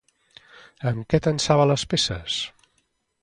Amb què tensava les peces?